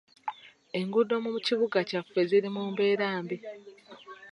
Enguudo mu kibuga kyaffe ziri mu mbeera mbi.